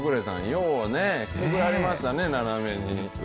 ようね、してくれましたね、斜めに。